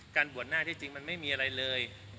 บวชหน้าที่จริงมันไม่มีอะไรเลย